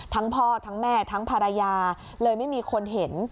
ทั้งพ่อทั้งแม่ทั้งภรรยาเลยไม่มีคนเห็น